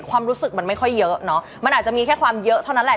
ความรู้สึกมันไม่ค่อยเยอะเนอะมันอาจจะมีแค่ความเยอะเท่านั้นแหละ